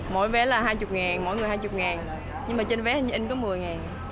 mỗi vé là hai mươi đồng mỗi người hai mươi đồng nhưng trên vé hình như có một mươi đồng